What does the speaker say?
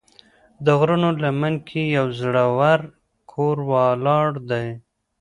د غرونو لمن کې یو زوړ کور ولاړ دی.